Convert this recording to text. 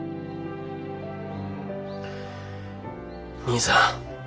兄さん。